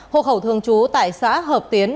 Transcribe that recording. hồ khẩu thương chú tại xã hợp tiến